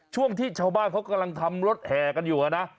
ช่วงที่ชาวบ้านเขากำลังทำรถแห่กันอยู่นะ